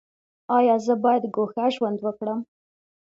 ایا زه باید ګوښه ژوند وکړم؟